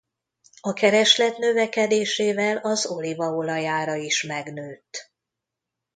A kereslet növekedésével az olívaolaj ára is megnőtt.